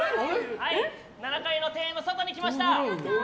７階の庭園の外に来ました！